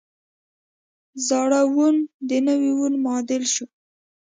زاړه وون د نوي وون معادل شول.